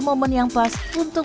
momen yang pas untuk